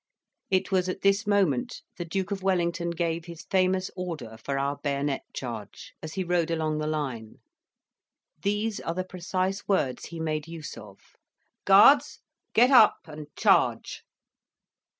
It was at this moment the Duke of Wellington gave his famous order for our bayonet charge, as he rode along the line: these are the precise words he made use of "Guards, get up and charge!"